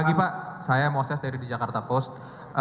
pagi pak saya moses dari jakarta post